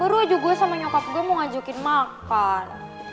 baru ajok gue sama nyokap gue mau ajokin makan